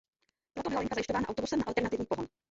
Proto byla linka zajišťována autobusem na alternativní pohon.